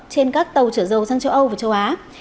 trên các tàu chở dầu sang châu âu và châu á